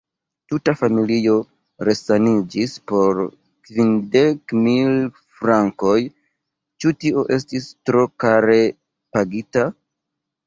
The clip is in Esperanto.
Tuta familio resaniĝis por kvindek mil frankoj: ĉu tio estis tro kare pagita?